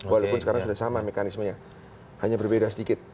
walaupun sekarang sudah sama mekanismenya hanya berbeda sedikit